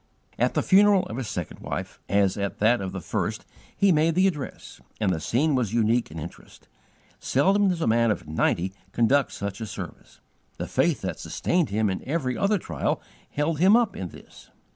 At the funeral of his second wife, as at that of the first, he made the address, and the scene was unique in interest. Seldom does a man of ninety conduct such a service. The faith that sustained him in every other trial held him up in this.